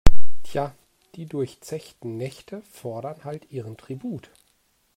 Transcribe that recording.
Tja, die durchzechten Nächte fordern halt ihren Tribut.